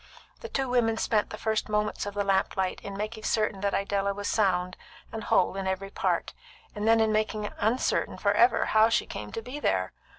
The two women spent the first moments of the lamp light in making certain that Idella was sound and whole in every part, and then in making uncertain for ever how she came to be there.